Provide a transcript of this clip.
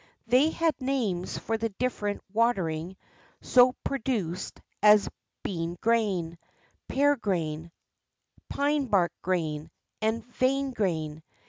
They had names for the differ ent "watering" so produced, as "bean grain," "pear grain," "pine bark grain," and "vein grain."